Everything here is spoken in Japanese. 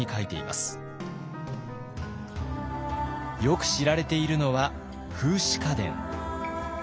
よく知られているのは「風姿花伝」。